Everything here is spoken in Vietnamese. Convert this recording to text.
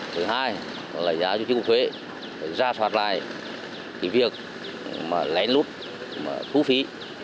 thứ hai gãi giá cho chức thuế ra soát lại việc lén lút phú phí